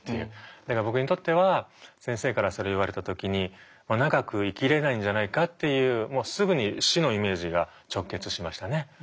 だから僕にとっては先生からそれ言われた時に長く生きれないんじゃないかっていうもうすぐに死のイメージが直結しましたね。